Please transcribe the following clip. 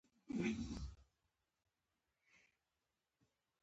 له خبرو نیت معلومېږي.